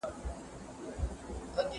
رسېدلى وو يو دم بلي دنيا ته